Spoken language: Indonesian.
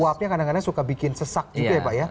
uapnya kadang kadang suka bikin sesak juga ya pak ya